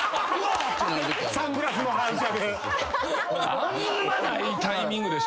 あんまないタイミングでしょ。